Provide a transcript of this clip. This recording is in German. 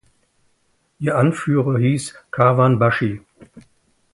Ihr Anführer hieß "Karwan-Baschi".